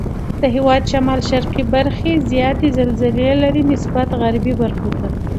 د هېواد شمال شرقي برخې زیاتې زلزلې لري نسبت غربي برخو ته.